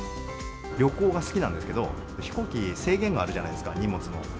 旅行が好きなんですけど、飛行機、制限があるじゃないですか、荷物の。